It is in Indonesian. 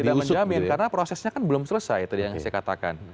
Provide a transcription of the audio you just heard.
tidak menjamin karena prosesnya kan belum selesai tadi yang saya katakan